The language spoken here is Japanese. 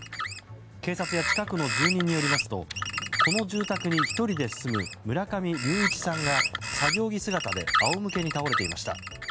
警察や近くの住人によりますとこの住宅に１人で住む村上隆一さんが作業着姿で仰向けに倒れていました。